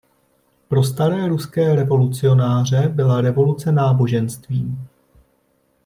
Pro staré ruské revolucionáře byla revoluce náboženstvím.